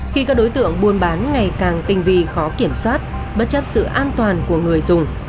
khi các đối tượng buôn bán ngày càng tinh vi khó kiểm soát bất chấp sự an toàn của người dùng